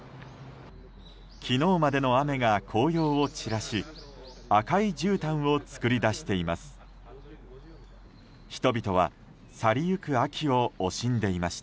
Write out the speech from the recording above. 昨日までの雨が紅葉を散らし赤いじゅうたんを作り出しています。